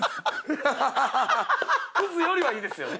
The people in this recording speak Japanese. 「クズ」よりはいいですよね。